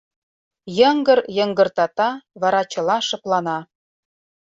Йыҥгыр йыҥгыртата, вара чыла шыплана.